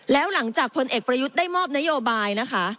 แล้วหลังจากพลเอกประยุทธ์ได้มอบนโยบายนะคะ